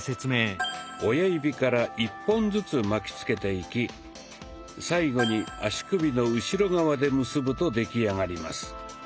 親指から１本ずつ巻きつけていき最後に足首の後ろ側で結ぶと出来上がります。